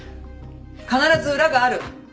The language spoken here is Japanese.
必ず裏がある。